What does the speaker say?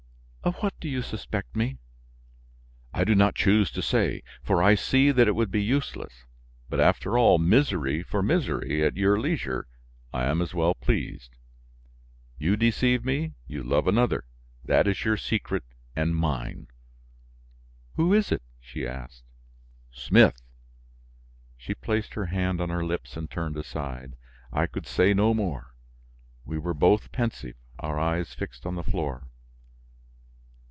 "Of what do you suspect me?" "I do not choose to say, for I see that it would be useless. But, after all, misery for misery, at your leisure; I am as well pleased. You deceive me, you love another; that is your secret and mine." "Who is it?" she asked. "Smith." She placed her hand on her lips and turned aside. I could say no more; we were both pensive, our eyes fixed on the floor.